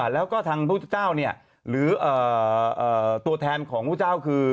ซัพพุทธเจ้าหรือตัวแทนของพุทธเจ้าคือ